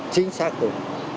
chính xác hơn